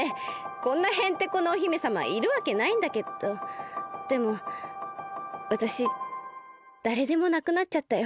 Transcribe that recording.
こんなヘンテコなお姫さまいるわけないんだけどでもわたしだれでもなくなっちゃったよ。